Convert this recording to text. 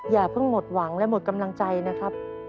อย่าเพิ่งหมดหวังและหมดกำลังใจนะครับ